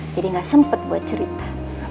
jadi gak sempet buat cerita